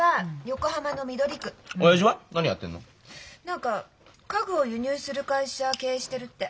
何か家具を輸入する会社経営してるって。